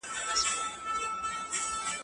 زه له سهاره سينه سپين کوم؟!